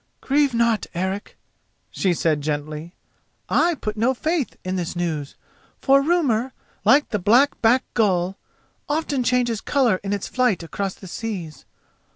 "Grieve not, Eric," she said gently; "I put no faith in this news, for rumour, like the black backed gull, often changes colour in its flight across the seas.